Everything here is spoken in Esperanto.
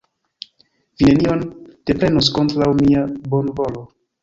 Vi nenion deprenos kontraŭ mia bonvolo.